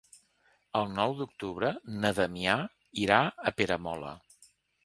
El nou d'octubre na Damià irà a Peramola.